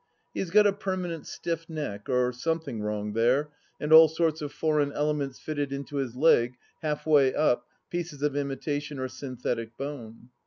He has got a permanent stiff neck, or something wrong there, and all sorts of foreign elements fitted into his leg — half way up — pieces of imita tion or synthetic bone.